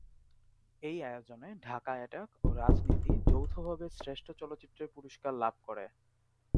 এই আয়োজনে "ঢাকা অ্যাটাক" ও "রাজনীতি" যৌথভাবে শ্রেষ্ঠ চলচ্চিত্রের পুরস্কার লাভ করে।